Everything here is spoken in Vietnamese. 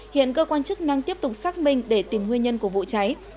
hiện cơ quan chức năng tiếp tục xác minh để tìm nguyên nhân của vụ cháy